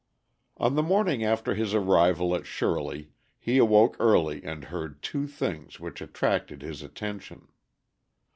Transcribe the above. On the morning after his arrival at Shirley he awoke early and heard two things which attracted his attention.